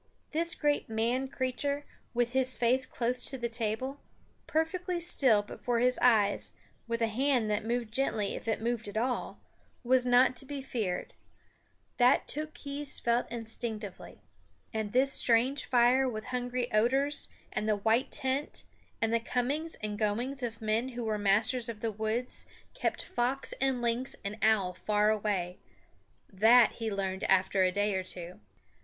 This great man creature, with his face close to the table, perfectly still but for his eyes, with a hand that moved gently if it moved at all, was not to be feared that Tookhees felt instinctively. And this strange fire with hungry odors, and the white tent, and the comings and goings of men who were masters of the woods kept fox and lynx and owl far away that he learned after a day or two.